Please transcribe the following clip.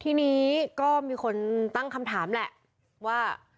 ทีนี้ก็มีคนตั้งคำถามแหละว่า